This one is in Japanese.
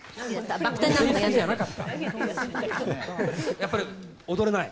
やっぱり踊れない？